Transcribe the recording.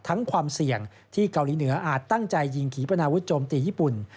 ความเสี่ยงที่เกาหลีเหนืออาจตั้งใจยิงขีปนาวุธโจมตีญี่ปุ่น